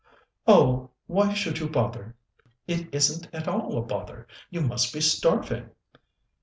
"Oh, why should you bother?" "It isn't at all a bother. You must be starving."